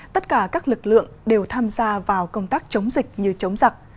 tất cả các lực lượng đều tham gia vào công tác chống dịch như chống giặc